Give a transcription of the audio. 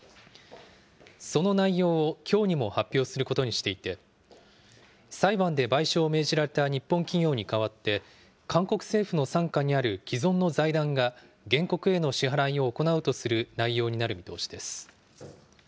その内容をきょうにも発表することにしていて、裁判で賠償を命じられた日本企業に代わって韓国政府の傘下にある既存の財団が原告への支払いを行うとする内容になる見通しです。